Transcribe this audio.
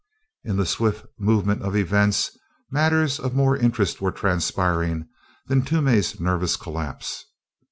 In the swift movement of events, matters of more interest were transpiring than Toomey's nervous collapse.